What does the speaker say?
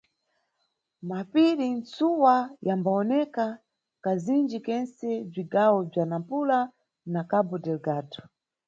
Mapiri-ntsuwa yambawoneka kazinji-kentse mʼbzigawo bza Nampula na Cabo Delgado.